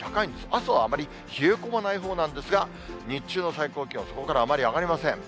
朝はあまり冷え込まないほうなんですが、日中の最高気温、そこからあまり上がりません。